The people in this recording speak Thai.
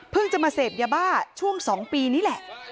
เพิ่งจะมาเสพยาบาลช่วงสองปีนี้แหละ